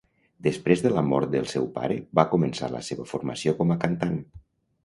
Després de la mort del seu pare va començar la seva formació com a cantant.